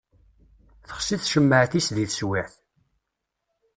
Texṣi tcemmaεt-is deg teswiεt.